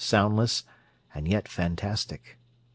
soundless, and yet fantastic.